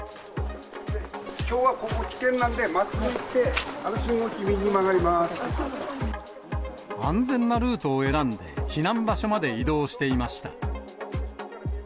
きょうはここ、危険なんで、まっすぐ行って、安全なルートを選んで、避難場所まで移動していました。